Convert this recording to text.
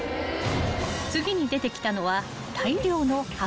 ［次に出てきたのは大量の白米］